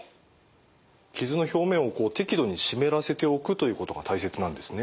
傷の表面を適度に湿らせておくということが大切なんですね。